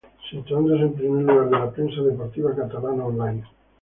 Situándose en primer lugar de la prensa deportiva catalana online.